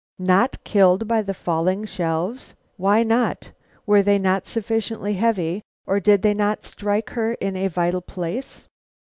"Not killed by the falling shelves! Why not? Were they not sufficiently heavy, or did they not strike her in a vital place?"